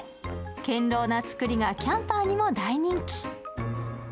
軽量な作りがキャンパーにも大人気。